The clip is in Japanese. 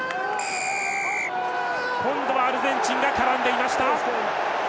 今度はアルゼンチンが絡んでいました！